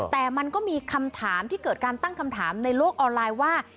แต่มันก็มีคำถามที่เกิดการตั้งคำถามในโลกออนไลน์ว่า